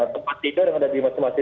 tepat tiga yang ada di rumah